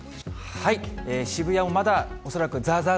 渋谷もまだ恐らくざーざー